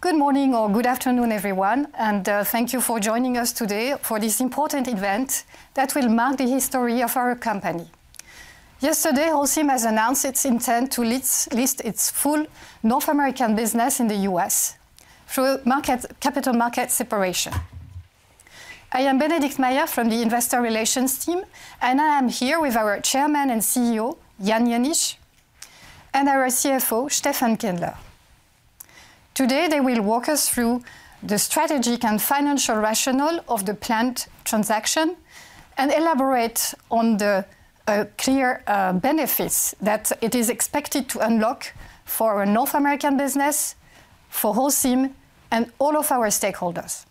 Good morning or good afternoon, everyone, and thank you for joining us today for this important event that will mark the history of our company. Yesterday, Holcim has announced its intent to list its full North American business in the U.S. through capital market separation. I am Bénédicte Mayer from the Investor Relations team, and I am here with our Chairman and CEO, Jan Jenisch, and our CFO, Steffen Kindler. Today, they will walk us through the strategic and financial rationale of the planned transaction and elaborate on the clear benefits that it is expected to unlock for our North American business, for Holcim, and all of our stakeholders.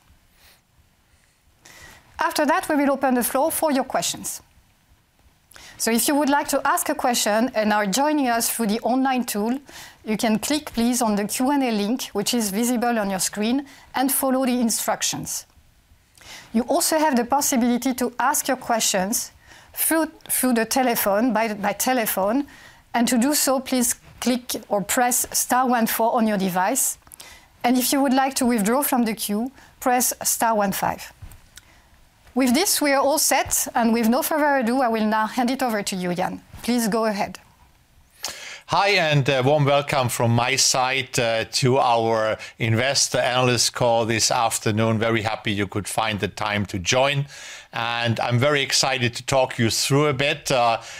After that, we will open the floor for your questions. So if you would like to ask a question and are joining us through the online tool, you can click, please, on the Q&A link which is visible on your screen and follow the instructions. You also have the possibility to ask your questions through the telephone by telephone, and to do so, please click or press *14 on your device, and if you would like to withdraw from the queue, press *15. With this, we are all set, and with no further ado, I will now hand it over to you, Jan. Please go ahead. Hi and warm welcome from my side to our investor analyst call this afternoon. Very happy you could find the time to join, and I'm very excited to talk you through a bit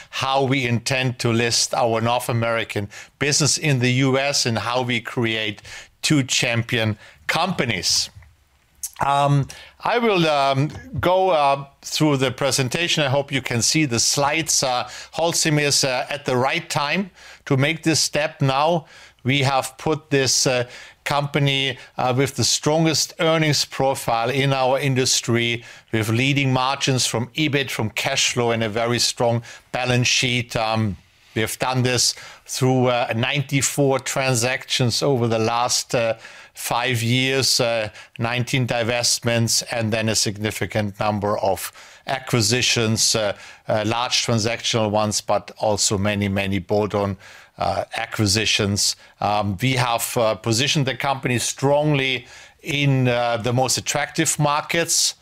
how we intend to list our North American business in the U.S. and how we create two champion companies. I will go through the presentation. I hope you can see the slides. Holcim is at the right time to make this step now. We have put this company with the strongest earnings profile in our industry, with leading margins from EBIT, from cash flow, and a very strong balance sheet. We have done this through 94 transactions over the last five years, 19 divestments, and then a significant number of acquisitions, large transactional ones, but also many, many bolt-on acquisitions. We have positioned the company strongly in the most attractive markets,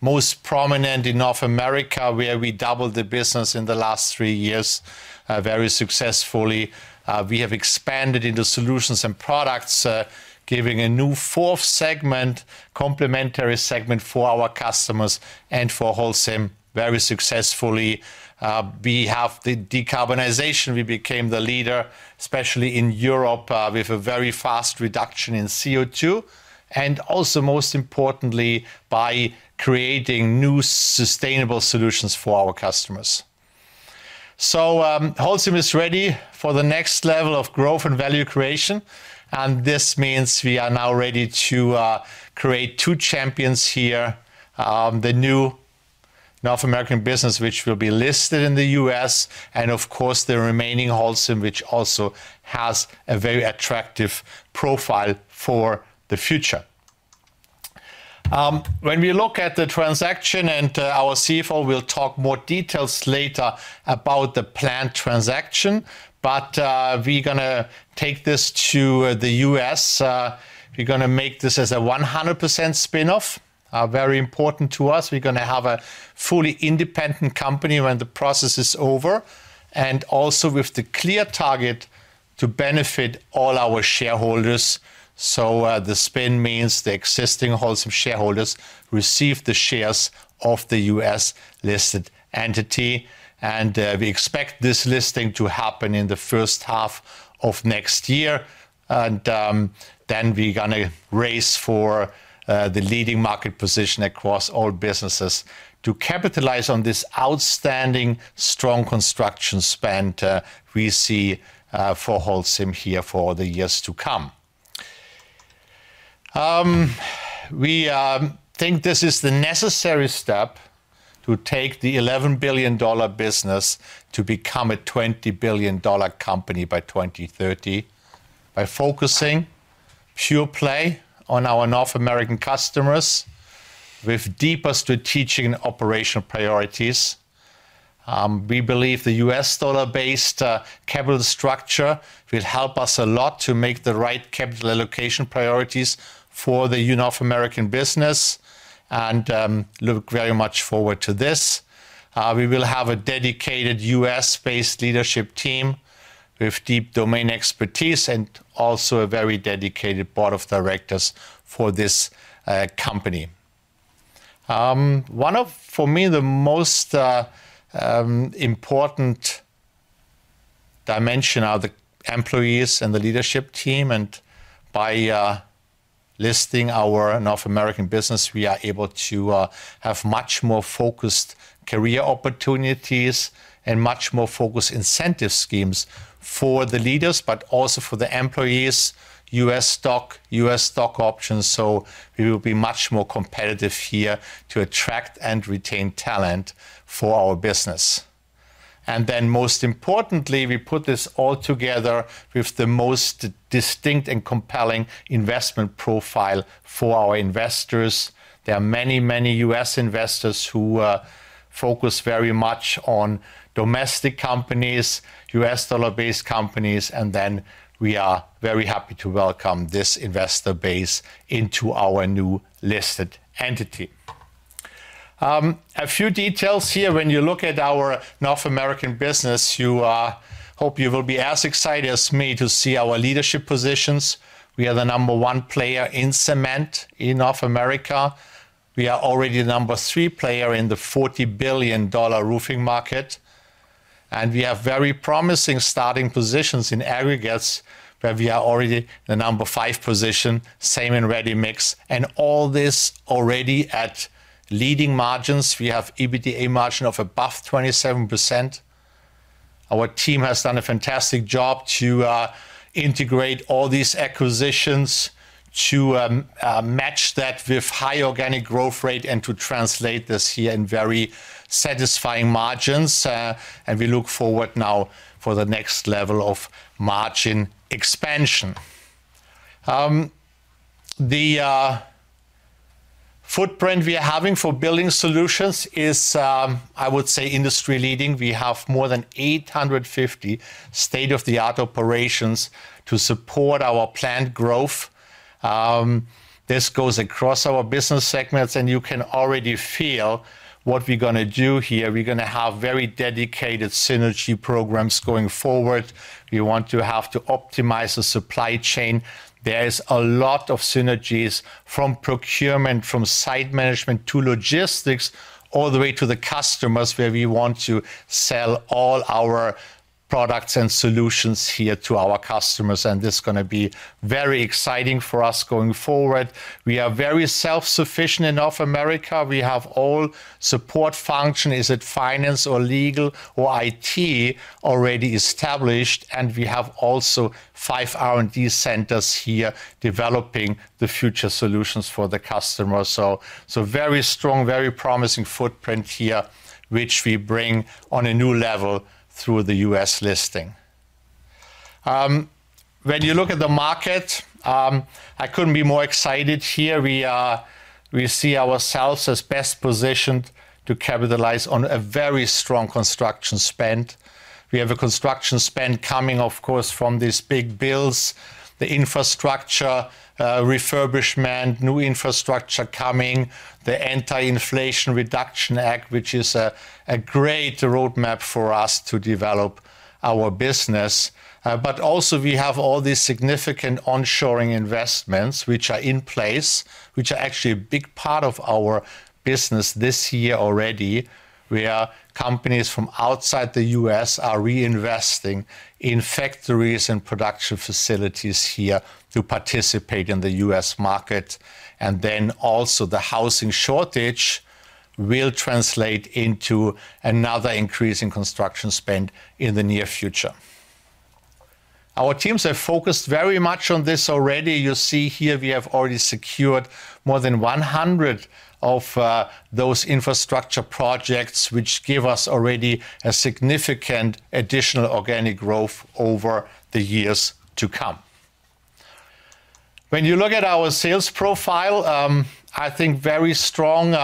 most prominent in North America, where we doubled the business in the last three years very successfully. We have expanded into solutions and products, giving a new fourth segment, complementary segment for our customers and for Holcim very successfully. We have the decarbonization. We became the leader, especially in Europe, with a very fast reduction in CO2 and also, most importantly, by creating new sustainable solutions for our customers. So Holcim is ready for the next level of growth and value creation, and this means we are now ready to create two champions here, the new North American business which will be listed in the U.S. and, of course, the remaining Holcim which also has a very attractive profile for the future. When we look at the transaction and our CFO will talk more details later about the planned transaction, but we're going to take this to the U.S. We're going to make this as a 100% spin-off, very important to us. We're going to have a fully independent company when the process is over, and also with the clear target to benefit all our shareholders. So the spin means the existing Holcim shareholders receive the shares of the U.S. listed entity, and we expect this listing to happen in the first half of next year, and then we're going to race for the leading market position across all businesses to capitalize on this outstanding strong construction spend we see for Holcim here for the years to come. We think this is the necessary step to take the $11 billion business to become a $20 billion company by 2030 by focusing pure play on our North American customers with deeper strategic and operational priorities. We believe the U.S. dollar-based capital structure will help us a lot to make the right capital allocation priorities for the North American business and look very much forward to this. We will have a dedicated U.S.-based leadership team with deep domain expertise and also a very dedicated board of directors for this company. For me, the most important dimension are the employees and the leadership team, and by listing our North American business, we are able to have much more focused career opportunities and much more focused incentive schemes for the leaders, but also for the employees, U.S. stock, U.S. stock options. So we will be much more competitive here to attract and retain talent for our business. And then, most importantly, we put this all together with the most distinct and compelling investment profile for our investors. There are many, many U.S. investors who focus very much on domestic companies, U.S. dollar-based companies, and then we are very happy to welcome this investor base into our new listed entity. A few details here. When you look at our North American business, I hope you will be as excited as me to see our leadership positions. We are the number one player in cement in North America. We are already the number three player in the $40 billion roofing market, and we have very promising starting positions in aggregates where we are already the number five position, same in ready mix, and all this already at leading margins. We have EBITDA margin of above 27%. Our team has done a fantastic job to integrate all these acquisitions, to match that with high organic growth rate, and to translate this here in very satisfying margins. We look forward now for the next level of margin expansion. The footprint we are having for building solutions is, I would say, industry-leading. We have more than 850 state-of-the-art operations to support our planned growth. This goes across our business segments, and you can already feel what we're going to do here. We're going to have very dedicated synergy programs going forward. We want to have to optimize the supply chain. There are a lot of synergies from procurement, from site management to logistics, all the way to the customers where we want to sell all our products and solutions here to our customers, and this is going to be very exciting for us going forward. We are very self-sufficient in North America. We have all support functions, is it finance or legal or IT, already established, and we have also five R&D centers here developing the future solutions for the customer. So very strong, very promising footprint here which we bring on a new level through the U.S. listing. When you look at the market, I couldn't be more excited here. We see ourselves as best positioned to capitalize on a very strong construction spend. We have a construction spend coming, of course, from these big bills, the infrastructure refurbishment, new infrastructure coming, the Inflation Reduction Act, which is a great roadmap for us to develop our business. But also, we have all these significant onshoring investments which are in place, which are actually a big part of our business this year already where companies from outside the U.S. are reinvesting in factories and production facilities here to participate in the U.S. market, and then also the housing shortage will translate into another increase in construction spend in the near future. Our teams have focused very much on this already. You see here we have already secured more than 100 of those infrastructure projects which give us already a significant additional organic growth over the years to come. When you look at our sales profile, I think very strong.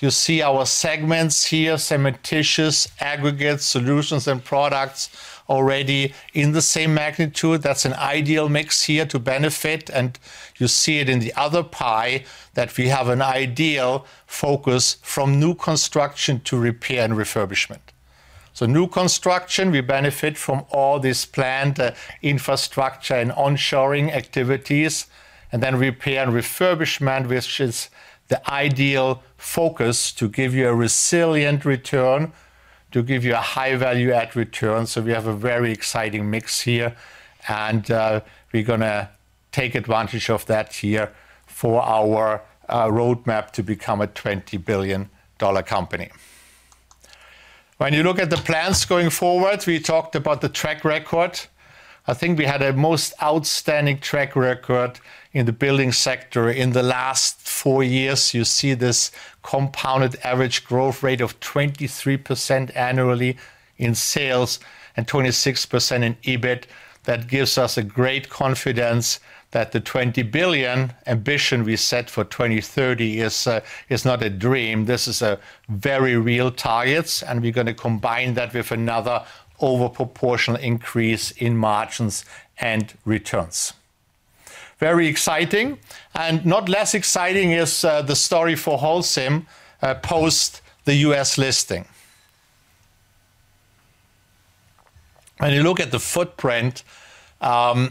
You see our segments here, cementitious, aggregates, solutions, and products already in the same magnitude. That's an ideal mix here to benefit, and you see it in the other pie that we have an ideal focus from new construction to repair and refurbishment. So new construction, we benefit from all these planned infrastructures and onshoring activities, and then repair and refurbishment, which is the ideal focus to give you a resilient return, to give you a high value-added return. So, we have a very exciting mix here, and we're going to take advantage of that here for our roadmap to become a $20 billion company. When you look at the plans going forward, we talked about the track record. I think we had the most outstanding track record in the building sector in the last four years. You see this compounded average growth rate of 23% annually in sales and 26% in EBIT. That gives us a great confidence that the $20 billion ambition we set for 2030 is not a dream. This is a very real target, and we're going to combine that with another overproportioned increase in margins and returns. Very exciting, and not less exciting is the story for Holcim post the U.S. listing. When you look at the footprint of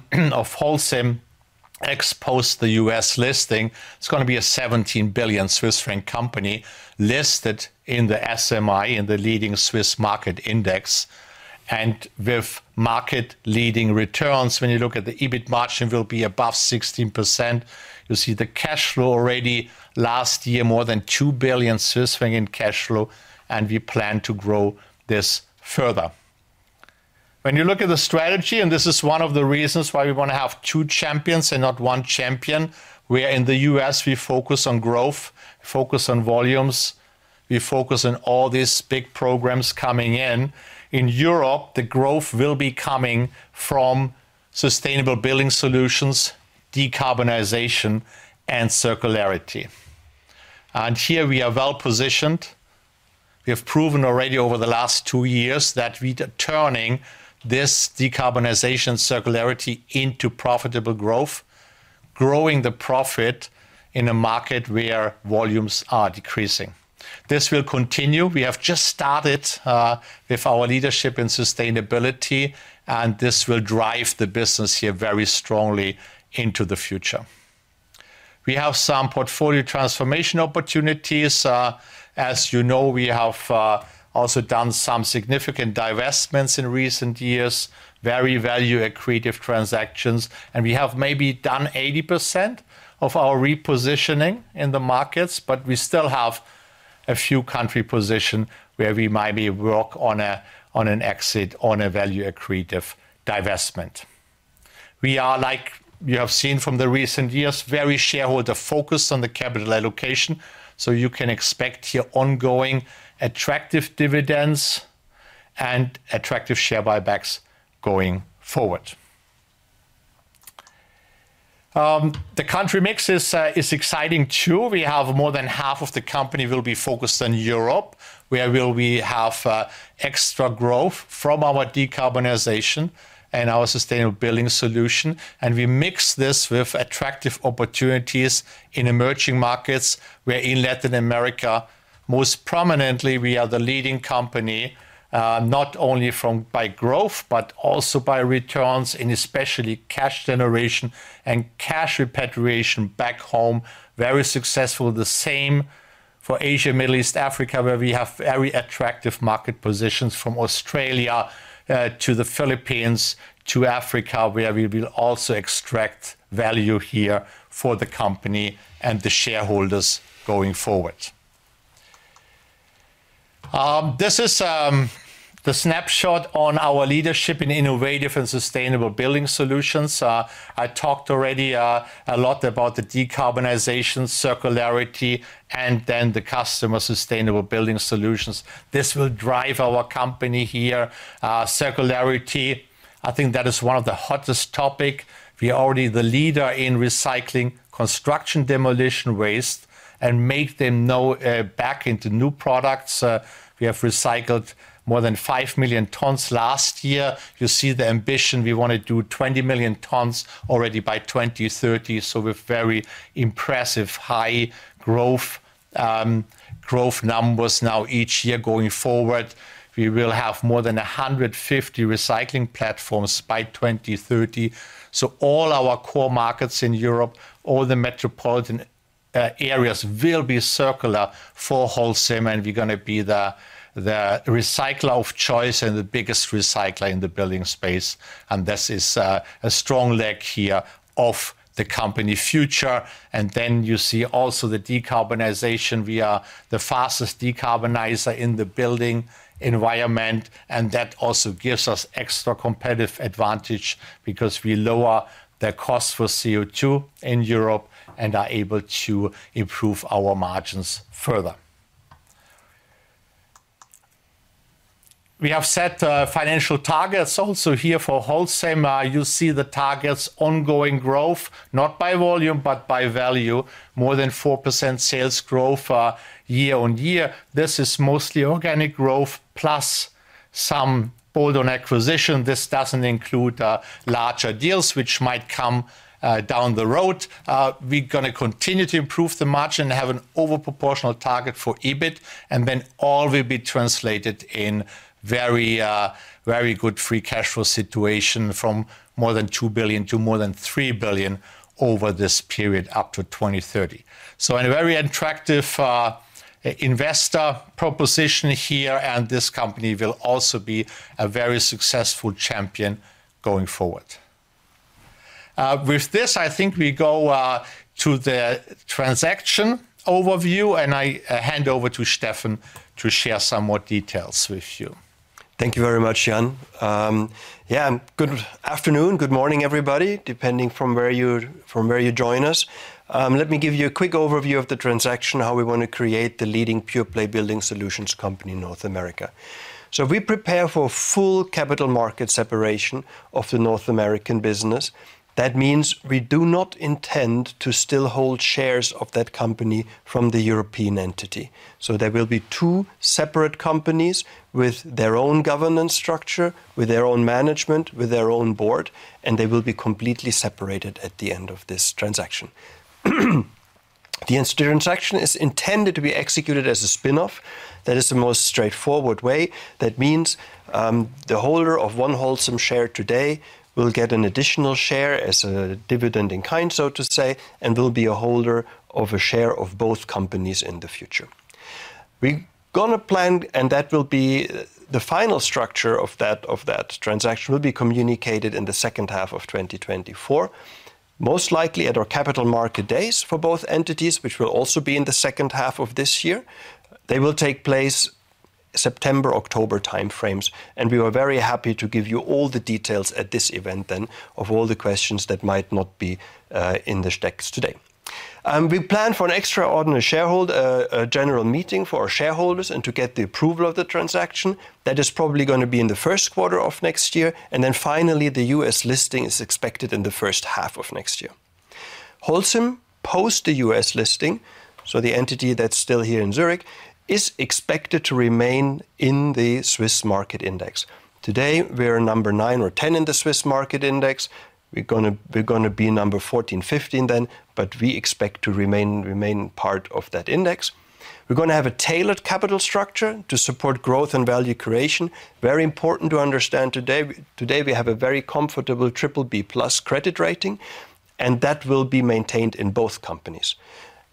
Holcim ex post the U.S. listing, it's going to be a 17 billion Swiss franc company listed in the SMI, in the leading Swiss Market Index, and with market-leading returns. When you look at the EBIT margin, it will be above 16%. You see the cash flow already last year, more than 2 billion Swiss franc in cash flow, and we plan to grow this further. When you look at the strategy, and this is one of the reasons why we want to have two champions and not one champion, where in the U.S. we focus on growth, we focus on volumes, we focus on all these big programs coming in, in Europe, the growth will be coming from sustainable building solutions, decarbonization, and circularity. And here we are well positioned. We have proven already over the last two years that we are turning this decarbonization and circularity into profitable growth, growing the profit in a market where volumes are decreasing. This will continue. We have just started with our leadership in sustainability, and this will drive the business here very strongly into the future. We have some portfolio transformation opportunities. As you know, we have also done some significant divestments in recent years, very value-accretive transactions, and we have maybe done 80% of our repositioning in the markets, but we still have a few country positions where we might be working on an exit on a value-accretive divestment. We are, like you have seen from the recent years, very shareholder-focused on the capital allocation, so you can expect here ongoing attractive dividends and attractive share buybacks going forward. The country mix is exciting too. We have more than half of the company will be focused on Europe, where we will have extra growth from our decarbonization and our sustainable building solution, and we mix this with attractive opportunities in emerging markets where in Latin America, most prominently, we are the leading company, not only by growth but also by returns and especially cash generation and cash repatriation back home, very successful. The same for Asia, Middle East, Africa, where we have very attractive market positions from Australia to the Philippines to Africa, where we will also extract value here for the company and the shareholders going forward. This is the snapshot on our leadership in innovative and sustainable building solutions. I talked already a lot about the decarbonization, circularity, and then the customer sustainable building solutions. This will drive our company here. Circularity, I think that is one of the hottest topics. We are already the leader in recycling construction demolition waste and making them go back into new products. We have recycled more than 5 million tons last year. You see the ambition. We want to do 20 million tons already by 2030, so with very impressive high growth numbers now each year going forward. We will have more than 150 recycling platforms by 2030. So, all our core markets in Europe, all the metropolitan areas will be circular for Holcim, and we're going to be the recycler of choice and the biggest recycler in the building space, and this is a strong leg here of the company future. And then you see also the decarbonization. We are the fastest decarbonized in the building environment, and that also gives us extra competitive advantage because we lower the cost for CO2 in Europe and are able to improve our margins further. We have set financial targets also here for Holcim. You see the targets, ongoing growth, not by volume but by value, more than 4% sales growth year-on-year. This is mostly organic growth plus some bolt-on acquisition. This doesn't include larger deals which might come down the road. We're going to continue to improve the margin and have an overproportioned target for EBIT, and then all will be translated in a very good free cash flow situation from more than $2 billion-$3 billion over this period up to 2030. So, a very attractive investor proposition here, and this company will also be a very successful champion going forward. With this, I think we go to the transaction overview, and I hand over to Steffen to share some more details with you. Thank you very much, Jan. Yeah, good afternoon. Good morning, everybody, depending from where you join us. Let me give you a quick overview of the transaction, how we want to create the leading pure-play building solutions company in North America. So we prepare for full capital market separation of the North American business. That means we do not intend to still hold shares of that company from the European entity. So there will be two separate companies with their own governance structure, with their own management, with their own board, and they will be completely separated at the end of this transaction. The transaction is intended to be executed as a spin-off. That is the most straightforward way. That means the holder of one Holcim share today will get an additional share as a dividend in kind, so to say, and will be a holder of a share of both companies in the future. We're going to plan, and that will be the final structure of that transaction will be communicated in the second half of 2024, most likely at our capital market days for both entities, which will also be in the second half of this year. They will take place September-October time frames, and we are very happy to give you all the details at this event then of all the questions that might not be in the specs today. We plan for an extraordinary shareholder general meeting for our shareholders and to get the approval of the transaction. That is probably going to be in the first quarter of next year, and then finally, the U.S. listing is expected in the first half of next year. Holcim post the U.S. listing, so the entity that's still here in Zurich, is expected to remain in the Swiss market index. Today, we're number 9 or 10 in the Swiss market index. We're going to be number 14, 15 then, but we expect to remain part of that index. We're going to have a tailored capital structure to support growth and value creation. Very important to understand today, today we have a very comfortable BBB+ credit rating, and that will be maintained in both companies.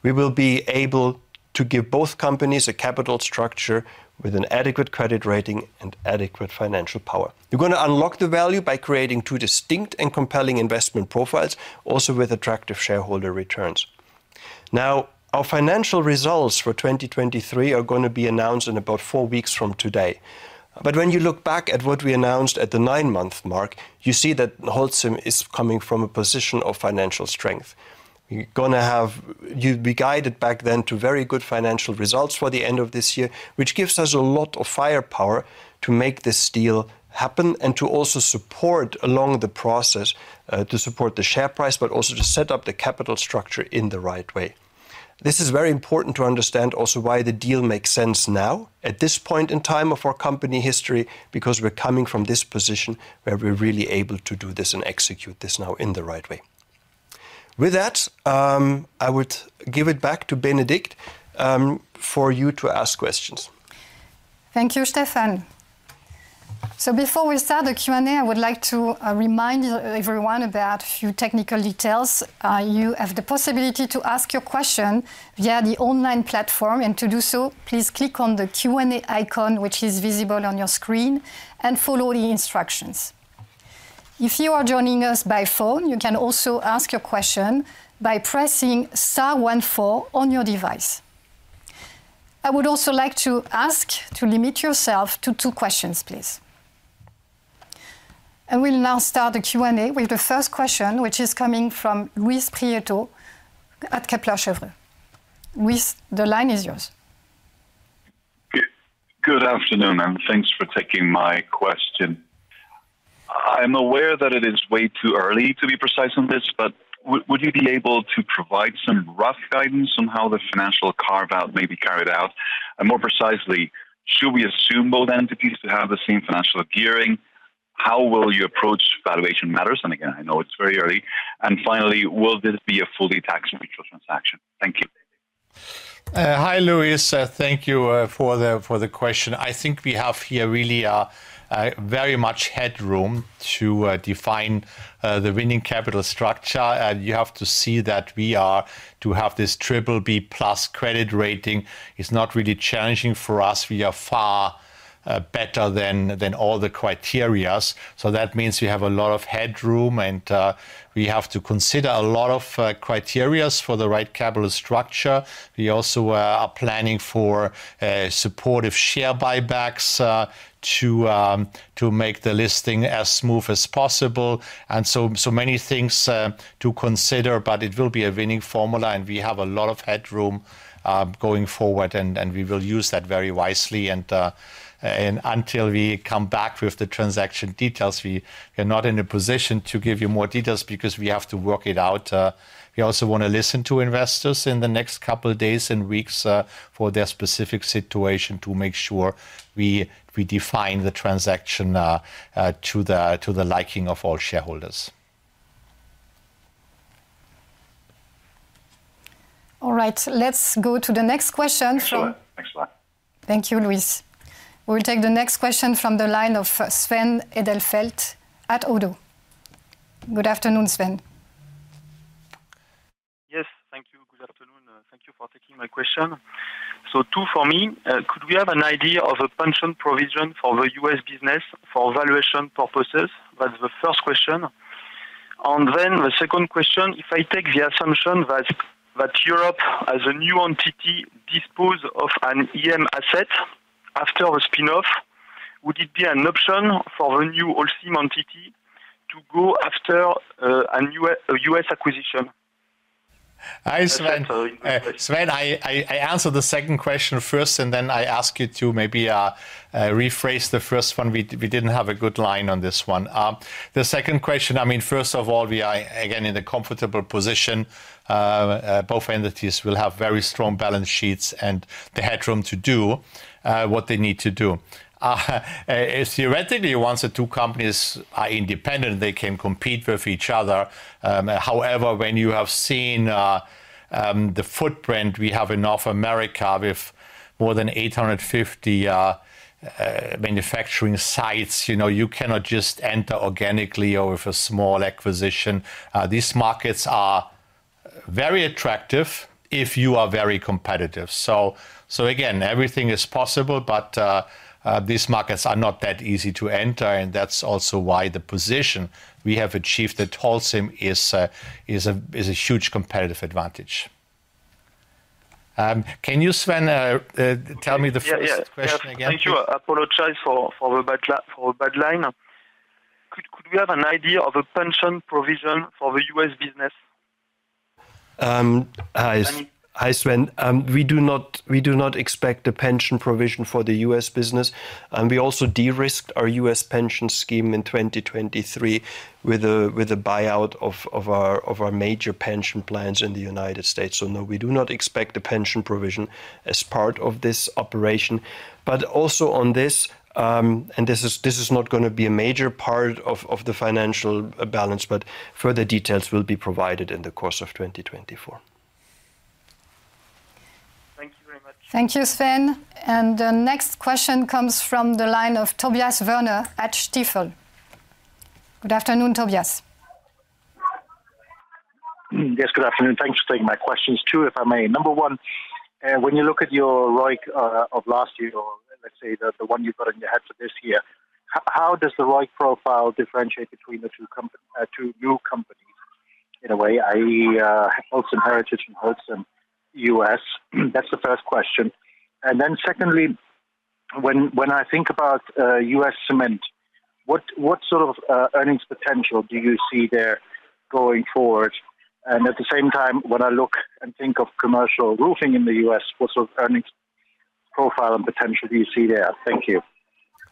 We will be able to give both companies a capital structure with an adequate credit rating and adequate financial power. We're going to unlock the value by creating two distinct and compelling investment profiles, also with attractive shareholder returns. Now, our financial results for 2023 are going to be announced in about four weeks from today, but when you look back at what we announced at the nine-month mark, you see that Holcim is coming from a position of financial strength. We're going to have you be guided back then to very good financial results for the end of this year, which gives us a lot of firepower to make this deal happen and to also support along the process to support the share price but also to set up the capital structure in the right way. This is very important to understand also why the deal makes sense now at this point in time of our company history because we're coming from this position where we're really able to do this and execute this now in the right way. With that, I would give it back to Bénédicte for you to ask questions. Thank you, Steffen. So before we start the Q&A, I would like to remind everyone about a few technical details. You have the possibility to ask your question via the online platform, and to do so, please click on the Q&A icon which is visible on your screen and follow the instructions. If you are joining us by phone, you can also ask your question by pressing *14 on your device. I would also like to ask to limit yourself to two questions, please. And we'll now start the Q&A with the first question which is coming from Luis Prieto at Kepler Cheuvreux. Luis, the line is yours. Good afternoon, and thanks for taking my question. I'm aware that it is way too early to be precise on this, but would you be able to provide some rough guidance on how the financial carve-out may be carried out? And more precisely, should we assume both entities to have the same financial gearing? How will you approach valuation matters? And again, I know it's very early. And finally, will this be a fully tax-free transaction? Thank you. Hi, Luis. Thank you for the question. I think we have here really very much headroom to define the winning capital structure. You have to see that we are to have this BBB+ credit rating. It's not really challenging for us. We are far better than all the criteria. So that means we have a lot of headroom, and we have to consider a lot of criteria for the right capital structure. We also are planning for supportive share buybacks to make the listing as smooth as possible. And so many things to consider, but it will be a winning formula, and we have a lot of headroom going forward, and we will use that very wisely. And until we come back with the transaction details, we are not in a position to give you more details because we have to work it out. We also want to listen to investors in the next couple of days and weeks for their specific situation to make sure we define the transaction to the liking of all shareholders. All right. Let's go to the next question from. Next slide. Thank you, Luis. We'll take the next question from the line of Sven Edelfelt at Oddo. Good afternoon, Sven. Yes, thank you. Good afternoon. Thank you for taking my question. So two for me. Could we have an idea of a pension provision for the U.S. business for valuation purposes? That's the first question. And then the second question, if I take the assumption that Europe as a new entity disposes of an EM asset after the spin-off, would it be an option for the new Holcim entity to go after a U.S. acquisition? Hi, Sven. Sven, I answer the second question first, and then I ask you to maybe rephrase the first one. We didn't have a good line on this one. The second question, I mean, first of all, we are, again, in a comfortable position. Both entities will have very strong balance sheets and the headroom to do what they need to do. Theoretically, once the two companies are independent, they can compete with each other. However, when you have seen the footprint we have in North America with more than 850 manufacturing sites, you cannot just enter organically or with a small acquisition. These markets are very attractive if you are very competitive. So again, everything is possible, but these markets are not that easy to enter, and that's also why the position we have achieved at Holcim is a huge competitive advantage. Can you, Sven, tell me the first question again? Yes, thank you. Apologize for the bad line. Could we have an idea of a pension provision for the U.S. business? Hi, Sven. We do not expect a pension provision for the U.S. business. We also de-risked our U.S. pension scheme in 2023 with a buyout of our major pension plans in the United States. So no, we do not expect a pension provision as part of this operation. But also on this, and this is not going to be a major part of the financial balance, but further details will be provided in the course of 2024. Thank you very much. Thank you, Sven. The next question comes from the line of Tobias Woerner at Stifel. Good afternoon, Tobias. Yes, good afternoon. Thanks for taking my questions too, if I may. Number one, when you look at your ROIC of last year, let's say the one you've got in your head for this year, how does the ROIC profile differentiate between the two new companies in a way? I have Holcim Heritage and Holcim U.S. That's the first question. And then secondly, when I think about U.S. cement, what sort of earnings potential do you see there going forward? And at the same time, when I look and think of commercial roofing in the U.S., what sort of earnings profile and potential do you see there? Thank you.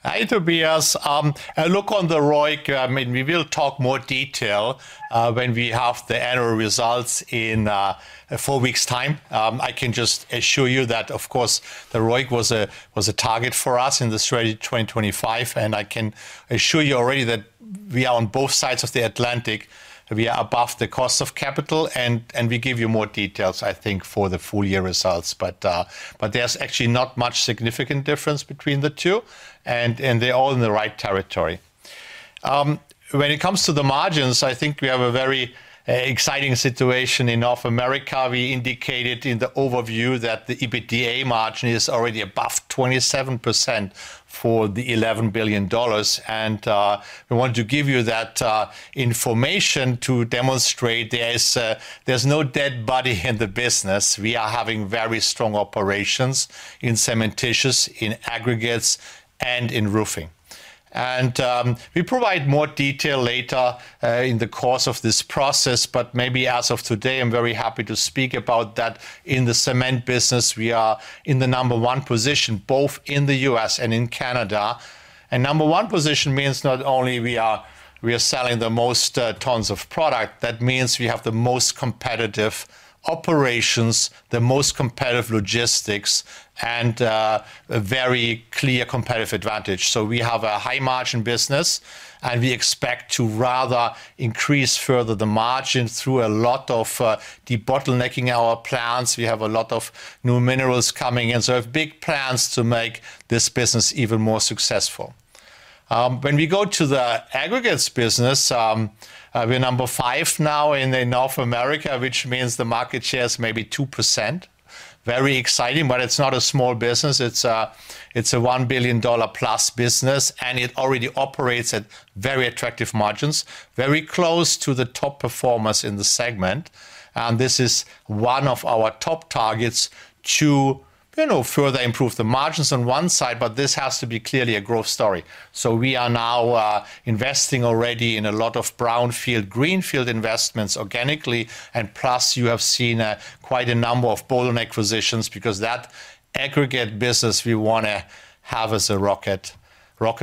Hi, Tobias. A look on the ROIC, I mean, we will talk more detail when we have the annual results in four weeks' time. I can just assure you that, of course, the ROIC was a target for us in the Strategy 2025, and I can assure you already that we are on both sides of the Atlantic. We are above the cost of capital, and we give you more details, I think, for the full-year results. But there's actually not much significant difference between the two, and they're all in the right territory. When it comes to the margins, I think we have a very exciting situation in North America. We indicated in the overview that the EBITDA margin is already above 27% for the $11 billion. And we want to give you that information to demonstrate there's no dead body in the business. We are having very strong operations in cementitious, in aggregates, and in roofing. We provide more detail later in the course of this process, but maybe as of today, I'm very happy to speak about that. In the cement business, we are in the number one position both in the U.S. and in Canada. Number one position means not only we are selling the most tons of product, that means we have the most competitive operations, the most competitive logistics, and a very clear competitive advantage. So we have a high-margin business, and we expect to rather increase further the margin through a lot of debottlenecking our plants. We have a lot of new minerals coming in, so we have big plans to make this business even more successful. When we go to the aggregates business, we're number five now in North America, which means the market share is maybe 2%. Very exciting, but it's not a small business. It's a $1 billion-plus business, and it already operates at very attractive margins, very close to the top performers in the segment. And this is one of our top targets to further improve the margins on one side, but this has to be clearly a growth story. So we are now investing already in a lot of brownfield, greenfield investments organically, and plus, you have seen quite a number of bottleneck position because that aggregate business we want to have as a rocket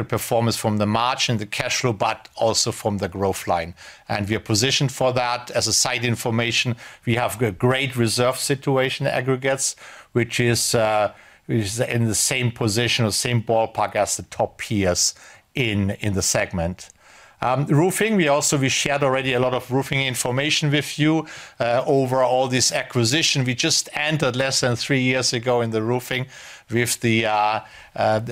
performance from the margin and the cash flow, but also from the growth line. And we are positioned for that. As a side information, we have a great reserve situation in aggregates, which is in the same position or same ballpark as the top peers in the segment. Roofing, we also shared already a lot of roofing information with you overall this acquisition. We just entered less than three years ago in the roofing with the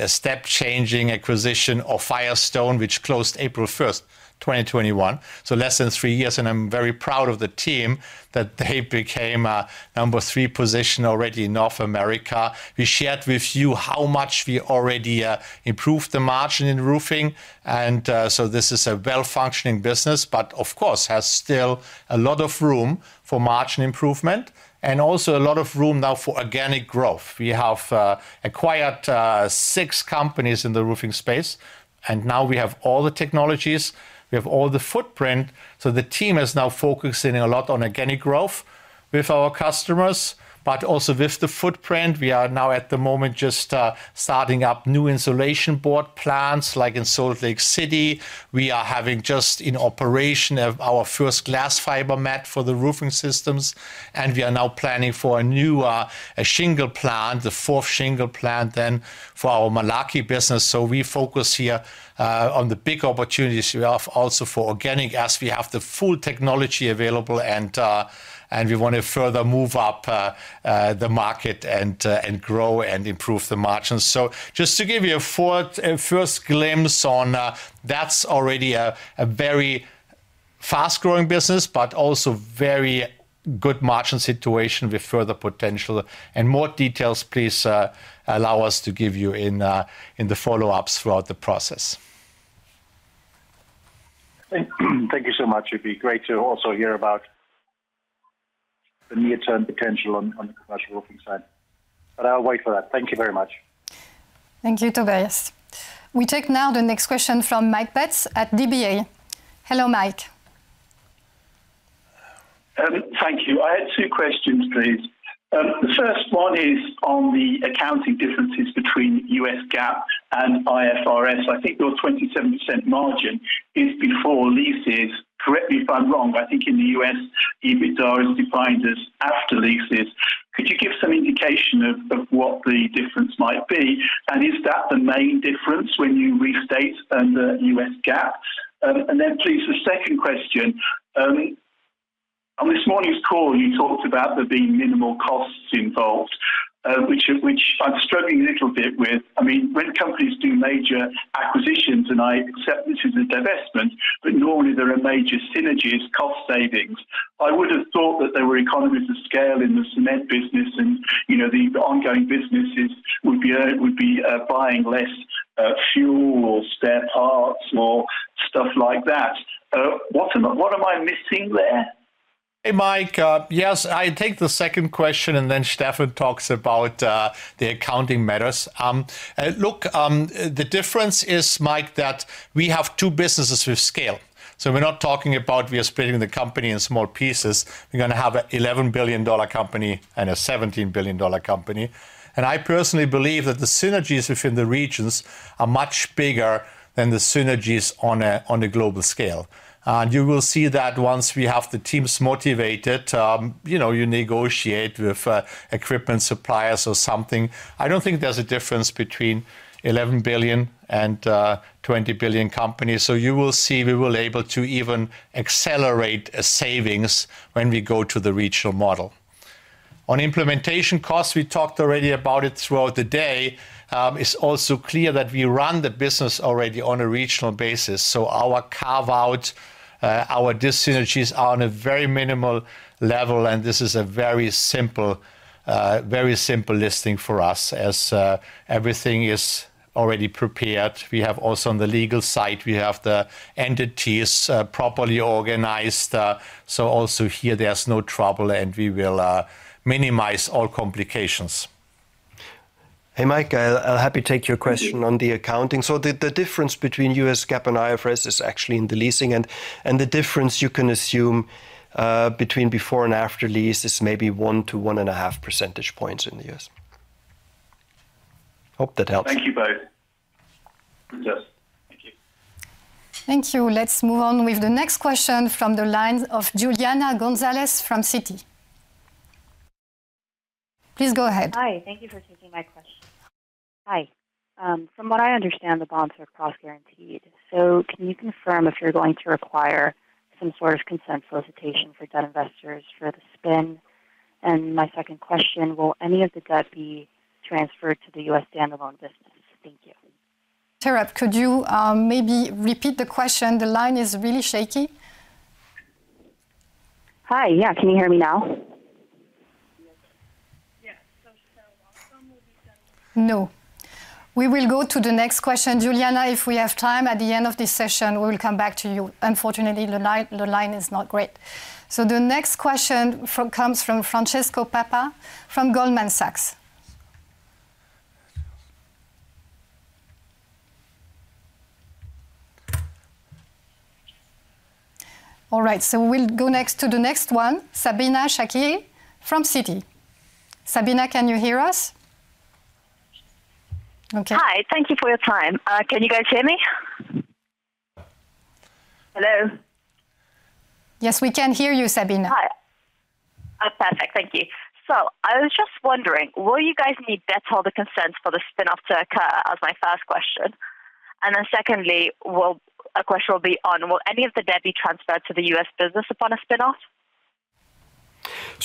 step-changing acquisition of Firestone, which closed April 1st, 2021. So less than three years, and I'm very proud of the team that they became number three position already in North America. We shared with you how much we already improved the margin in roofing, and so this is a well-functioning business, but of course, has still a lot of room for margin improvement and also a lot of room now for organic growth. We have acquired six companies in the roofing space, and now we have all the technologies. We have all the footprint, so the team is now focusing a lot on organic growth with our customers, but also with the footprint. We are now, at the moment, just starting up new insulation board plants like in Salt Lake City. We are having just in operation our first glass fiber mat for the roofing systems, and we are now planning for a new shingle plant, the fourth shingle plant then for our Malarkey business. So we focus here on the big opportunities we have also for organic as we have the full technology available, and we want to further move up the market and grow and improve the margins. So just to give you a first glimpse on that's already a very fast-growing business but also very good margin situation with further potential. And more details, please allow us to give you in the follow-ups throughout the process. Thank you so much. It'd be great to also hear about the near-term potential on the commercial roofing side. But I'll wait for that. Thank you very much. Thank you, Tobias. We take now the next question from Mike Betts at DBA. Hello, Mike. Thank you. I had two questions, please. The first one is on the accounting differences between U.S. GAAP and IFRS. I think your 27% margin is before leases. Correct me if I'm wrong. I think in the U.S., EBITDA is defined as after leases. Could you give some indication of what the difference might be? And is that the main difference when you restate under U.S. GAAP? And then please, the second question. On this morning's call, you talked about there being minimal costs involved, which I'm struggling a little bit with. I mean, when companies do major acquisitions, and I accept this is a divestment, but normally there are major synergies, cost savings. I would have thought that there were economies of scale in the cement business, and the ongoing businesses would be buying less fuel or spare parts or stuff like that. What am I missing there? Hey, Mike. Yes, I take the second question, and then Steffen talks about the accounting matters. Look, the difference is, Mike, that we have two businesses with scale. So we're not talking about we are splitting the company in small pieces. We're going to have an $11 billion company and a $17 billion company. And I personally believe that the synergies within the regions are much bigger than the synergies on a global scale. And you will see that once we have the teams motivated, you negotiate with equipment suppliers or something. I don't think there's a difference between $11 billion and $20 billion companies. So you will see we will be able to even accelerate savings when we go to the regional model. On implementation costs, we talked already about it throughout the day. It's also clear that we run the business already on a regional basis. So our carve-out, our dyssynergies are on a very minimal level, and this is a very simple listing for us as everything is already prepared. We have also on the legal side, we have the entities properly organized. So also here, there's no trouble, and we will minimize all complications. Hey, Mike. I'm happy to take your question on the accounting. So the difference between U.S. GAAP and IFRS is actually in the leasing, and the difference you can assume between before and after lease is maybe 1-1.5 percentage points in the U.S. Hope that helps. Thank you both. Thank you. Thank you. Let's move on with the next question from the line of Julian Gonzalez from Citi. Please go ahead. Hi. Thank you for taking my question. Hi. From what I understand, the bonds are cross-guaranteed. So can you confirm if you're going to require some sort of consent solicitation for debt investors for the spin? And my second question, will any of the debt be transferred to the U.S. standalone business? Thank you. Interrupt. Could you maybe repeat the question? The line is really shaky. Hi. Yeah. Can you hear me now? Yes. So should I welcome or be sent away? No. We will go to the next question. Juliana, if we have time at the end of this session, we will come back to you. Unfortunately, the line is not great. So, the next question comes from Francesco Papa from Goldman Sachs. All right. So, we'll go next to the next one, Sabine Chakiri from Citi. Sabina, can you hear us? Hi. Thank you for your time. Can you guys hear me? Hello? Yes, we can hear you, Sabine. Perfect. Thank you. So I was just wondering, will you guys need debt holder consent for the spin-off to occur? That was my first question. And then secondly, a question will be on, will any of the debt be transferred to the U.S. business upon a spin-off?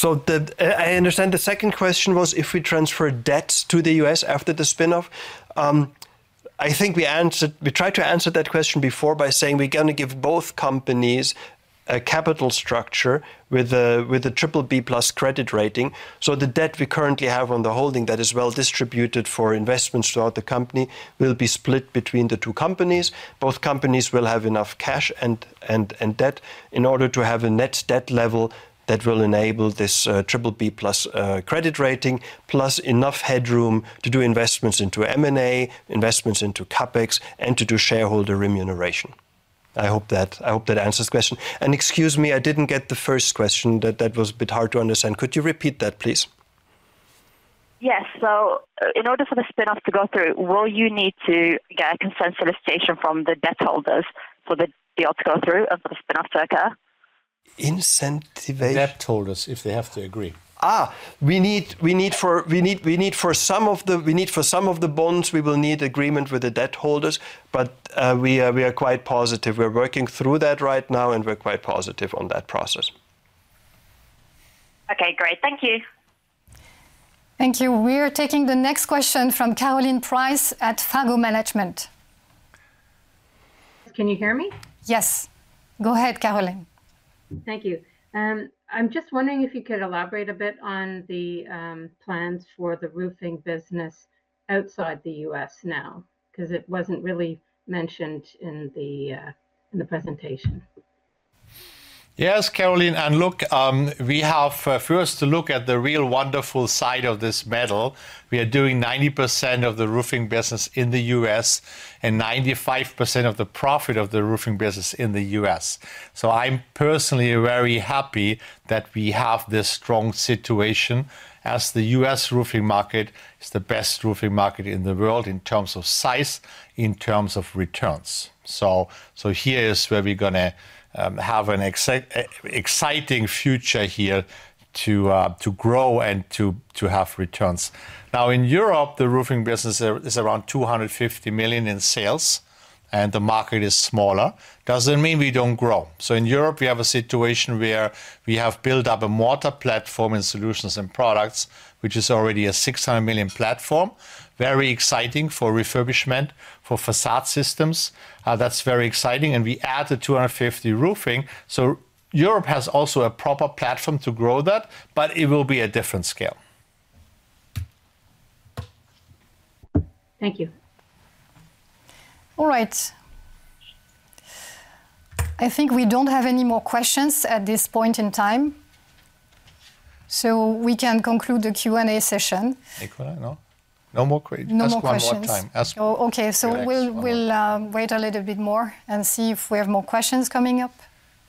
So I understand the second question was if we transfer debt to the U.S. after the spin-off. I think we tried to answer that question before by saying we're going to give both companies a capital structure with a BBB+ credit rating. So the debt we currently have on the holding that is well distributed for investments throughout the company will be split between the two companies. Both companies will have enough cash and debt in order to have a net debt level that will enable this BBB+ credit rating, plus enough headroom to do investments into M&A, investments into CapEx, and to do shareholder remuneration. I hope that answers the question. And excuse me, I didn't get the first question. That was a bit hard to understand. Could you repeat that, please? Yes. So in order for the spin-off to go through, will you need to get a consent solicitation from the debt holders for the deal to go through and for the spin-off to occur? Incentivation. Debt holders, if they have to agree. We need for some of the bonds, we will need agreement with the debt holders, but we are quite positive. We're working through that right now, and we're quite positive on that process. Okay. Great. Thank you. Thank you. We are taking the next question from Caroline Price at Fago Management. Can you hear me? Yes. Go ahead, Caroline. Thank you. I'm just wondering if you could elaborate a bit on the plans for the roofing business outside the U.S. now because it wasn't really mentioned in the presentation. Yes, Caroline. Look, we have first to look at the real wonderful side of this medal. We are doing 90% of the roofing business in the U.S. and 95% of the profit of the roofing business in the U.S. So, I'm personally very happy that we have this strong situation as the U.S. roofing market is the best roofing market in the world in terms of size, in terms of returns. So, here is where we're going to have an exciting future here to grow and to have returns. Now, in Europe, the roofing business is around 250 million in sales, and the market is smaller. Doesn't mean we don't grow. So, in Europe, we have a situation where we have built up a mortar platform in solutions and products, which is already a 600 million platform, very exciting for refurbishment, for façade systems. That's very exciting, and we added 250 roofing. So Europe has also a proper platform to grow that, but it will be a different scale. Thank you. All right. I think we don't have any more questions at this point in time. So we can conclude the Q&A session. No more questions. Okay. So we'll wait a little bit more and see if we have more questions coming up.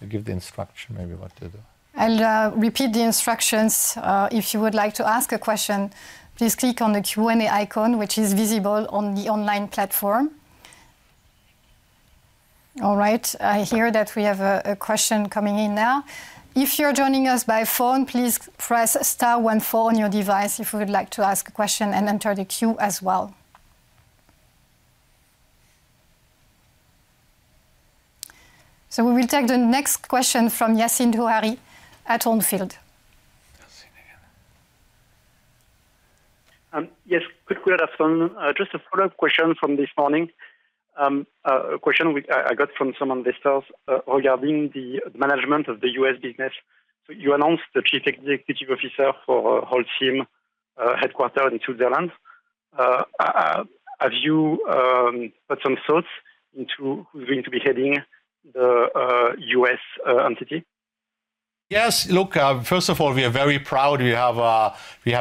You give the instruction maybe what to do. I'll repeat the instructions. If you would like to ask a question, please click on the Q&A icon, which is visible on the online platform. All right. I hear that we have a question coming in now. If you're joining us by phone, please press star 14 on your device if you would like to ask a question and enter the queue as well. We will take the next question from Yassine Touahri at On Field. Yes, good afternoon. Just a follow-up question from this morning. A question I got from some investors regarding the management of the U.S. business. So you announced the Chief Executive Officer for Holcim headquarters in Switzerland. Have you put some thoughts into who's going to be heading the U.S. entity? Yes. Look, first of all, we are very proud. We have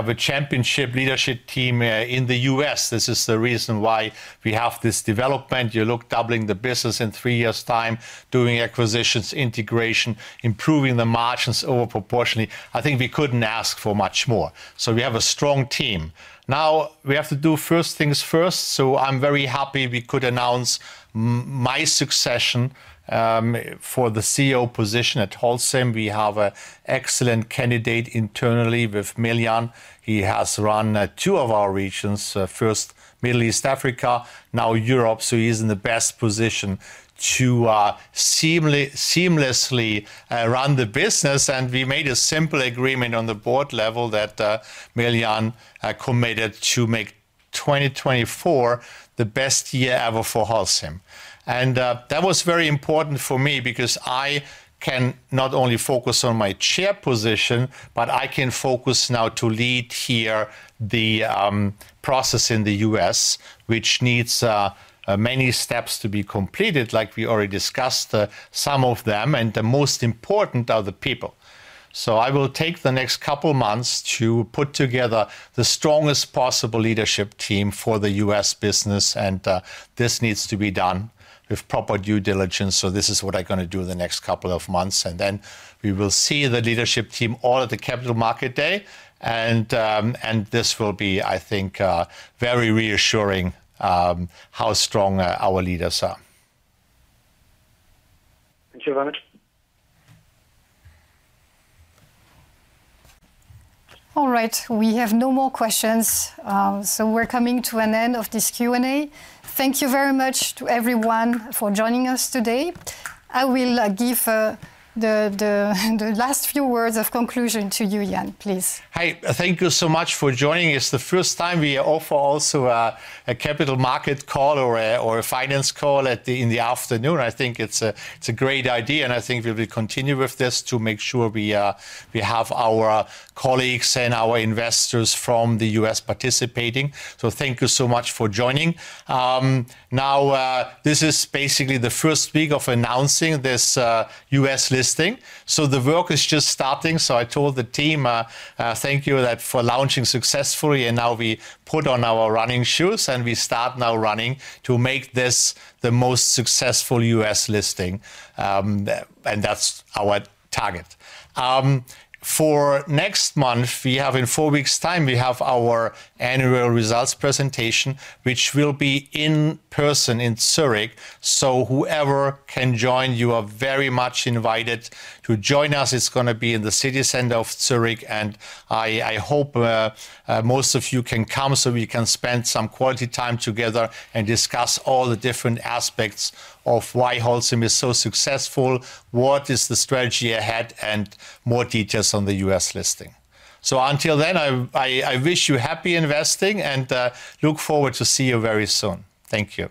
a championship leadership team in the U.S. This is the reason why we have this development. You look doubling the business in three years' time, doing acquisitions, integration, improving the margins over proportionately. I think we couldn't ask for much more. So, we have a strong team. Now, we have to do first things first. So, I'm very happy we could announce my succession for the CEO position at Holcim. We have an excellent candidate internally with Miljan. He has run two of our regions, first Middle East Africa, now Europe. So, he's in the best position to seamlessly run the business. And we made a simple agreement on the board level that Miljan committed to make 2024 the best year ever for Holcim. That was very important for me because I can not only focus on my chair position, but I can focus now to lead here the process in the U.S., which needs many steps to be completed, like we already discussed, some of them. The most important are the people. So I will take the next couple of months to put together the strongest possible leadership team for the U.S. business. This needs to be done with proper due diligence. So this is what I'm going to do the next couple of months. Then we will see the leadership team all at the Capital Market Day. This will be, I think, very reassuring how strong our leaders are. Thank you very much. All right. We have no more questions. So we're coming to an end of this Q&A. Thank you very much to everyone for joining us today. I will give the last few words of conclusion to Julian, please. Hi. Thank you so much for joining. It's the first time we offer also a Capital Market Call or a Finance Call in the afternoon. I think it's a great idea, and I think we'll continue with this to make sure we have our colleagues and our investors from the U.S. participating. So, thank you so much for joining. Now, this is basically the first week of announcing this U.S. listing. So, the work is just starting. So, I told the team, thank you for launching successfully. And now we put on our running shoes, and we start now running to make this the most successful U.S. listing. And that's our target. For next month, in four weeks' time, we have our annual results presentation, which will be in person in Zurich. So, whoever can join, you are very much invited to join us. It's going to be in the city center of Zurich. I hope most of you can come so we can spend some quality time together and discuss all the different aspects of why Holcim is so successful, what is the strategy ahead, and more details on the U.S. listing. Until then, I wish you happy investing and look forward to seeing you very soon. Thank you.